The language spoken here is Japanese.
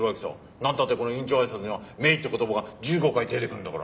なんたってこの院長挨拶には「名医」って言葉が１５回出てくるんだから。